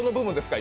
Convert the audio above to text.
今。